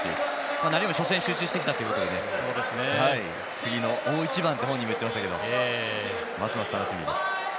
何よりも初戦、集中していたということで大一番と本人が言ってましたけどますます楽しみです。